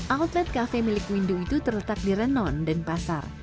outlet kafe milik windu itu terletak di renon dan pasar